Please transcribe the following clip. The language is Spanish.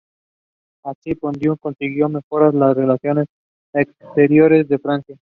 Así, Pompidou consiguió mejorar las relaciones exteriores de Francia.